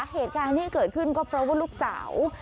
เหตุการณ์ที่เกิดขึ้นก็เพราะว่าลูกสาว